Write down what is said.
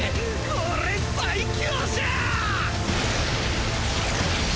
これ最強じゃあ！